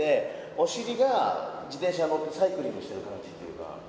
お尻が自転車でサイクリングしてる感じというか。